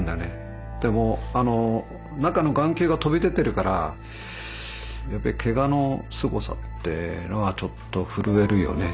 もう中の眼球が飛び出てるからけがのすごさっていうのはちょっと震えるよね。